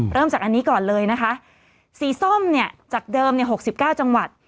เริ่มจากอันนี้ก่อนเลยนะคะสีส้มเนี้ยจากเดิมเนี้ยหกสิบเก้าจังหวัด